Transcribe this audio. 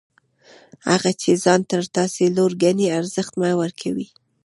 هغه چي ځان تر تاسي لوړ ګڼي، ارزښت مه ورکوئ!